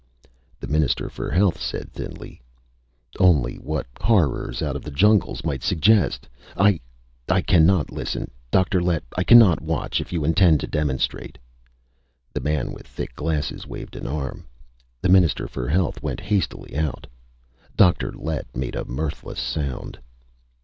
The Minister for Health said thinly: "Only what horrors out of the jungles might suggest! I ... I cannot listen, Dr. Lett. I cannot watch, if you intend to demonstrate!" The man with thick glasses waved an arm. The Minister for Health went hastily out. Dr. Lett made a mirthless sound.